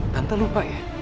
tante lupa ya